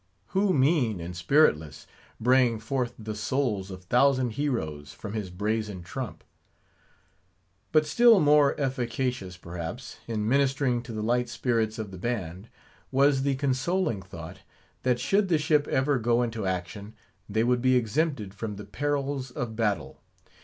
who mean and spiritless, braying forth the souls of thousand heroes from his brazen trump? But still more efficacious, perhaps, in ministering to the light spirits of the band, was the consoling thought, that should the ship ever go into action, they would be exempted from the perils of battle.